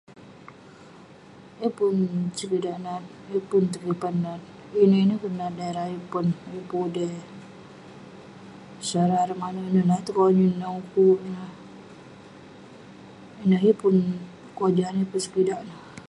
Yeng pun sekidak nat, yeng pun [unintelligible] nat. Ineh ineh kek nat ireh ayuk pon. Yeng pun udey. [unintelligible] Ineh yeng pun kojah, yeng pun sekidak neh.